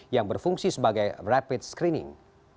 yang berfungsi sebagai rapid screening